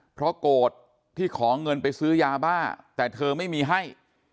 เพราะโกรธที่ขอเงินไปซื้อยาบ้าแต่เธอไม่มีให้